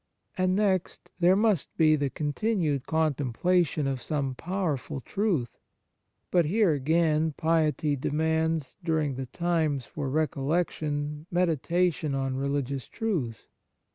And, next, there must be the continued contemplation of some powerful truth. But here, again, piety demands, during the times for recollection, meditation on religious truths.